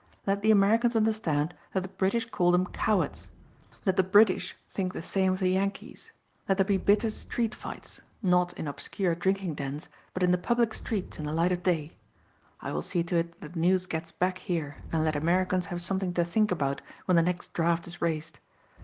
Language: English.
Let the Americans understand that the British call them cowards. Let the British think the same of the Yankees. Let there be bitter street fights, not in obscure drinking dens, but in the public streets in the light of day. I will see to it that the news gets back here and let Americans have something to think about when the next draft is raised.